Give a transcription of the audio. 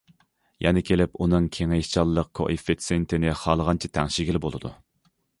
يەنە كېلىپ ئۇنىڭ كېڭىيىشچانلىق كوئېففىتسېنتىنى خالىغانچە تەڭشىگىلى بولىدۇ.